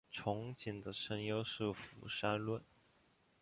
憧憬的声优是福山润。